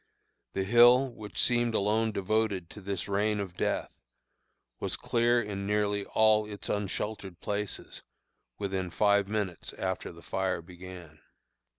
The hill, which seemed alone devoted to this rain of death, was clear in nearly all its unsheltered places within five minutes after the fire began."